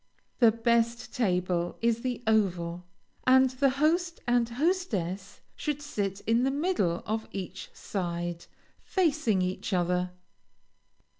The best table is the oval, and the host and hostess should sit in the middle of each side, facing each other.